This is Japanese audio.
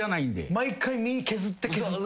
毎回身削って削って。